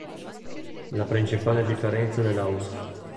La principale differenza dall'Ausf.